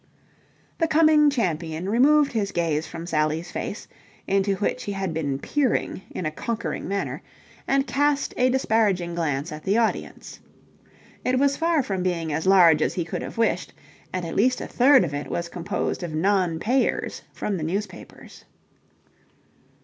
The coming champion removed his gaze from Sally's face, into which he had been peering in a conquering manner, and cast a disparaging glance at the audience. It was far from being as large as he could have wished, and at least a third of it was composed of non payers from the newspapers.